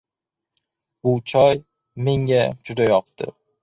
Bu choy menga juda yoqdi.